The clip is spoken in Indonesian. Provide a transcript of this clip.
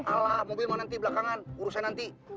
alah mobil mah nanti belakangan urusin nanti